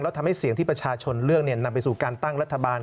แล้วทำให้เสียงที่ประชาชนเลือกนำไปสู่การตั้งรัฐบาล